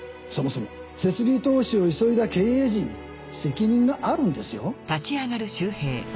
そもそも設備投資を急いだ経営陣に責任があるんですよ。